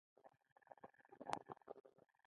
هند حکومت خوشاله کړي.